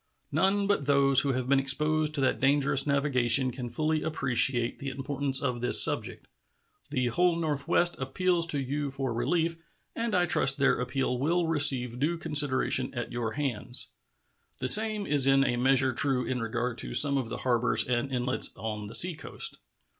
None but those who have been exposed to that dangerous navigation can fully appreciate the importance of this subject. The whole Northwest appeals to you for relief, and I trust their appeal will receive due consideration at your hands. The same is in a measure true in regard to some of the harbors and inlets on the seacoast.